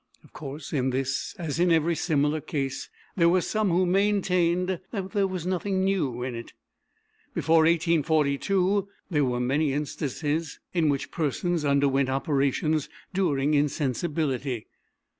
Of course, in this, as in every similar case, there were some who maintained that there was nothing new in it. Before 1842 there were many instances in which persons underwent operations during insensibility.